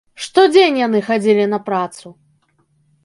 Штодзень яны хадзілі на працу!